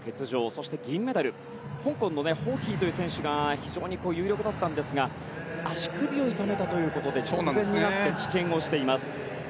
そして、銀メダル香港のホーヒーという選手が非常に有力だったんですが足首を痛めて直前で棄権しています。